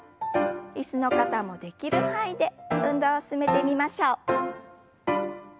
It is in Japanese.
椅子の方もできる範囲で運動を進めてみましょう。